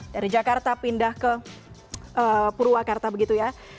dari jakarta pindah ke purwakarta begitu ya